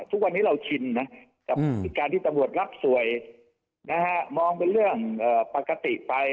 ทุกวันนี้เราชินนะกับการที่ตำรวจรับสวยมองเป็นเรื่องปกติไป